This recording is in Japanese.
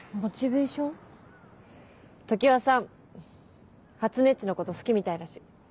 常葉さんはつねっちのこと好きみたいだし。